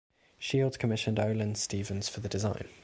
Shields commissioned Olin Stephens for the design.